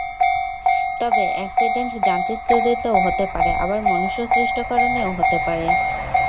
তবে অ্যাকসিডেন্ট যান্ত্রিক ত্রুটিতেও হতে পারে, আবার মনুষ্যসৃষ্ট কারণেও হতে পারে।